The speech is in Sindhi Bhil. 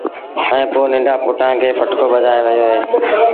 ائيٚݩ پو ننڍآݩ پُٽآݩ کي پٽڪو ٻڌآيو وهي دو